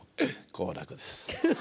好楽です。